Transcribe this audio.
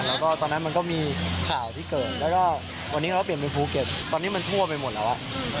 แล้วก็ตอนนั้นมันก็มีข่าวที่เกิดแล้วก็วันนี้เราก็เปลี่ยนไปภูเก็ตตอนนี้มันทั่วไปหมดแล้ว